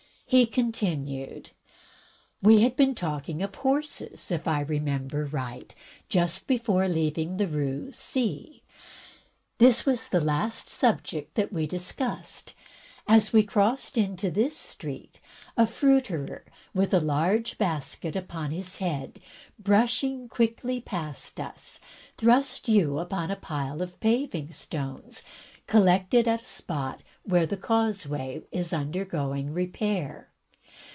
He continued: "We had been talking of horses, if I remember right, just before leaving the Rue C —. This was the last subject that we discussed. As we crossed into this street, a fruiterer, with a large basket upon his head, brushing quickly past us, thrust you upon a pile of paving stones collected at a spot where the causeway is undergoing repair.